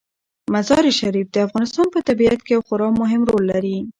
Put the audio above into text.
مزارشریف د افغانستان په طبیعت کې یو خورا مهم رول لري.